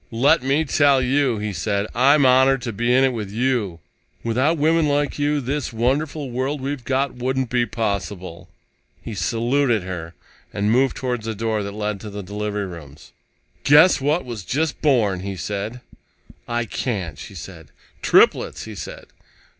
"Let me tell you," he said, "I'm honored to be in it with you. Without women like you, this wonderful world we've got wouldn't be possible." He saluted her and moved toward the door that led to the delivery rooms. "Guess what was just born," he said. "I can't," she said. "Triplets!" he said.